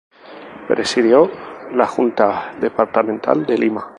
Presidió la Junta Departamental de Lima.